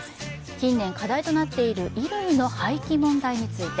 近年課題となっている衣類の廃棄問題について。